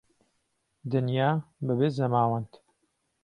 دنیا به بێ زهماوهند